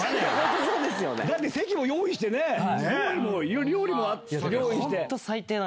だって席も用意して料理も用意して。